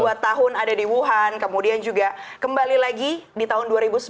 dua tahun ada di wuhan kemudian juga kembali lagi di tahun dua ribu sembilan belas